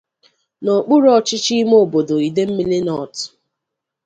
n'okpuru ọchịchị ime obodo Idemili North